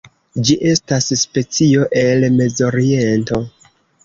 Ĝi estas specio el Mezoriento.